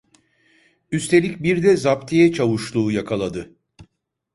Üstelik bir de zaptiye çavuşluğu yakaladı.